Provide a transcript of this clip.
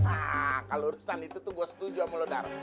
nah kalo urusan itu tuh gue setuju sama lo darah